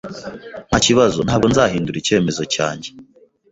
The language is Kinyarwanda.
Ntakibazo, ntabwo nzahindura icyemezo cyanjye.